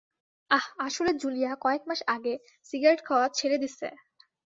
আহ, আসলে জুলিয়া কয়েক মাস আগে সিগারেট খাওয়া ছেড়ে দিছে।